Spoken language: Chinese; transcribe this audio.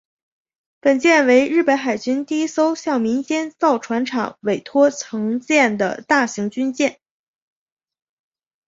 本舰为日本海军第一艘向民间造船厂委托承建的大型军舰。